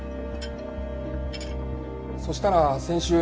そしたら先週。